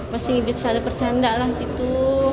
masih bisa ada percanda lah gitu